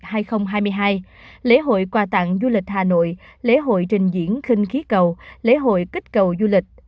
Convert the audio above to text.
trong năm hai nghìn hai mươi hai lễ hội quà tặng du lịch hà nội lễ hội trình diễn khinh khí cầu lễ hội kích cầu du lịch